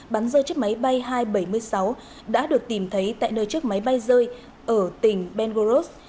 bắn rơi chiếc máy bay hai trăm bảy mươi sáu đã được tìm thấy tại nơi chiếc máy bay rơi ở tỉnh bengoros